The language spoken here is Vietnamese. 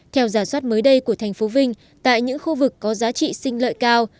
theo giả soát mới đây của thành phố vinh tại những khu vực có giá trị sinh lợi cao